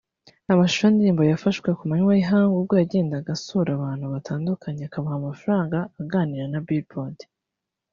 Amashusho y’ indirimbo yafashwe kumanywa y’ ihangu ubwo yajyendaga asura abantu batandukanye akabaha amafaranga aganira na billboard